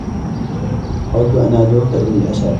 أود ان ادعوك إلى العشاء.